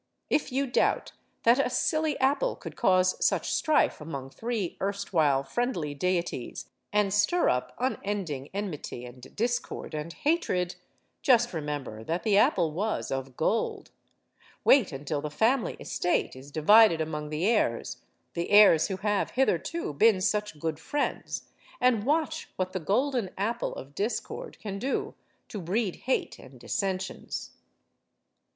If you doubt that a silly apple could cause such strife among three erstwhile friendly deities and stir up unending enmity and discord and hatred, just remember that the apple was of gold. Wait until the family estate is divided among the heirs the heirs who have hitherto been such good friends and watch what the Golden Apple of Discord can do to breed hate and dissensions.